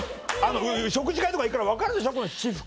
食事会とか行くから分かるでしょ私服。